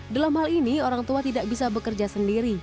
dalam hal ini orang tua tidak bisa bekerja sendiri